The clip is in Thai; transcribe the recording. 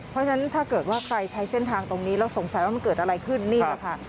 เพราะฉะนั้นถ้าเกิดว่าใครใช้เส้นทางตรงนี้แล้วสงสัยว่ามันเกิดอะไรขึ้นนี่แหละค่ะ